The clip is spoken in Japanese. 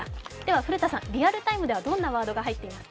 古田さん、リアルタイムではどんなワードが入っていますか？